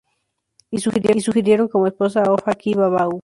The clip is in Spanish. Y sugirieron como esposa a Ofa-ki-Vava´u.